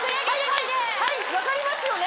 分かりますよね？